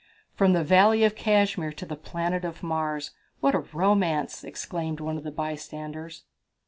"From the Valley of Cashmere to the planet Mars what a romance!" exclaimed one of the bystanders.